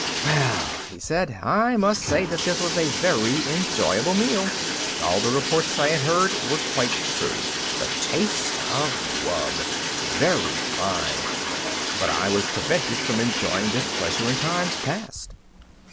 "Well," he said. "I must say that this was a very enjoyable meal. All the reports I had heard were quite true the taste of wub. Very fine. But I was prevented from enjoying this pleasure in times past."